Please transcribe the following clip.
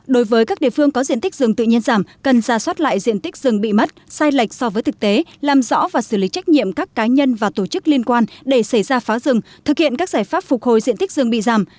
đối với các địa phương có diện tích rừng tự nhiên giảm cần ra soát lại diện tích rừng bị mất sai lệch so với thực tế làm rõ và xử lý trách nhiệm các cá nhân và tổ chức liên quan để xảy ra phá rừng thực hiện các giải pháp phục hồi diện tích rừng bị giảm